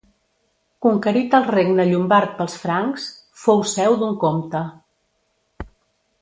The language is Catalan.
Conquerit el regne llombard pels francs, fou seu d'un comte.